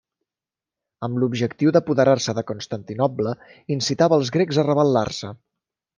Amb l'objectiu d'apoderar-se de Constantinoble, incitava els grecs a rebel·lar-se.